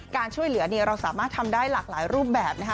การช่วยเหลือเราสามารถทำได้หลากหลายรูปแบบนะคะ